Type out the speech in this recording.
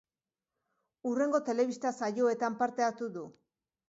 Hurrengo telebista saioetan parte hartu du.